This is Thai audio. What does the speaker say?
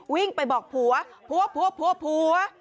วิ่งไปบอกผัวผัว